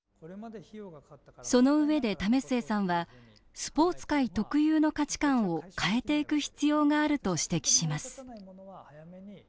そのうえで為末さんはスポーツ界特有の価値観を変えていく必要があると指摘します